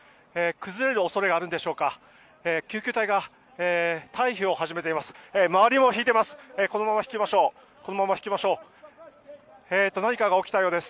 崩れる恐れがあるんでしょうか救急隊が退避を始めています。